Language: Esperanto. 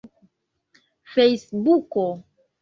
fejsbuko